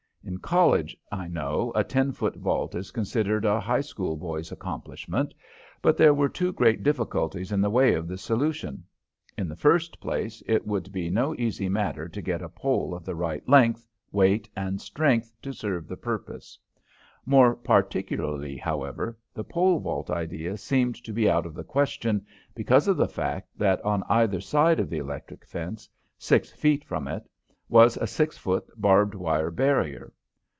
In college, I know, a ten foot vault is considered a high school boy's accomplishment, but there were two great difficulties in the way of this solution. In the first place, it would be no easy matter to get a pole of the right length, weight, and strength to serve the purpose. More particularly, however, the pole vault idea seemed to be out of the question because of the fact that on either side of the electric fence, six feet from it, was a six foot barbed wire barrier.